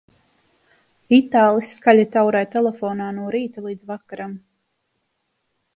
Itālis skaļi taurē telefonā no rīta līdz vakaram.